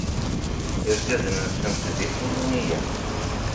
Irgazen-nsent d ipuluniyen.